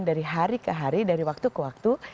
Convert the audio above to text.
dari hari ke hari dari waktu ke waktu